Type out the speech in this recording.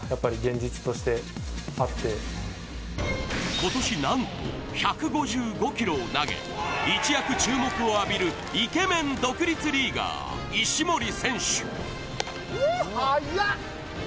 今年、なんと１５５キロを投げ、一躍注目を浴びるイケメン独立リーガー、石森選手